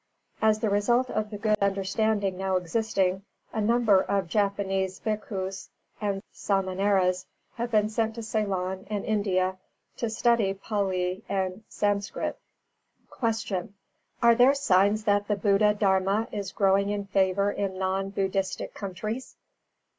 As the result of the good understanding now existing, a number of Japanese bhikkhus and samaneras have been sent to Ceylon and India to study Pālī and Samskrt. 322. Q. _Are there signs that the Buddha Dharma is growing in favour in non Buddhistic countries?